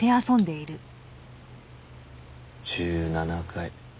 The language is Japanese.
１７回。